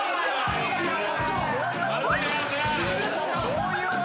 どういう技？